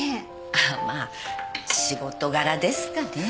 あっまあ仕事柄ですかね。